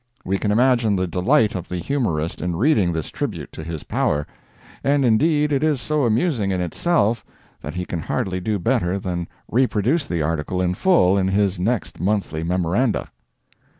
We can imagine the delight of the humorist in reading this tribute to his power; and indeed it is so amusing in itself that he can hardly do better than reproduce the article in full in his next monthly Memoranda.